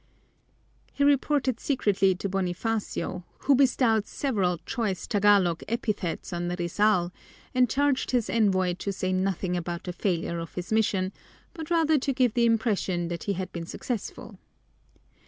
He reported secretly to Bonifacio, who bestowed several choice Tagalog epithets on Rizal, and charged his envoy to say nothing about the failure of his mission, but rather to give the impression that he had been successful.